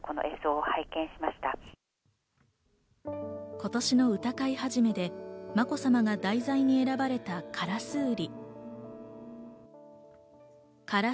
今年の歌会始でまこさまが題材に選ばれたカラスウリ。